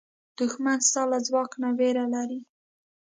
دښمن ستا له ځواک نه وېره لري